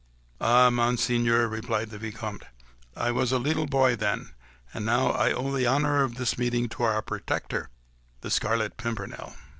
"Ah, Monseigneur!" replied the Vicomte, "I was a leetle boy then ... and now I owe the honour of this meeting to our protector, the Scarlet Pimpernel."